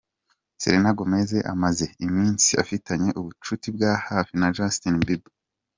Selena Gomez amaze iminsi afitanye ubucuti bwa hafi na Justin Bieber.